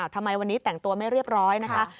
ทำไมวันนี้แต่งตัวไม่เรียบร้อยนะคะ